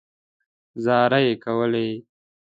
زارۍ کولې.